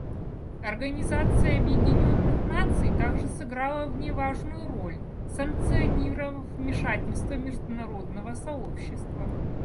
Организация Объединенных Наций также сыграла в ней важную роль, санкционировав вмешательство международного сообщества.